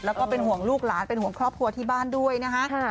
แล้วก็เป็นห่วงลูกหลานเป็นห่วงครอบครัวที่บ้านด้วยนะคะ